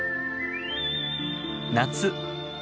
夏。